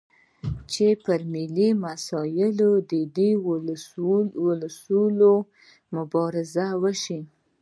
چې پر ملي مسایلو دې وسلوالې مبارزې وشي.